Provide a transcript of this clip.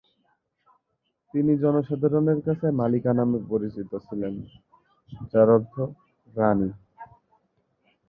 তিনি জনসাধারণের কাছে "মালিকা" নামে পরিচিত ছিলেন যার অর্থ "রাণী"।